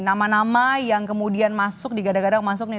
nama nama yang kemudian masuk digadang gadang masuk nih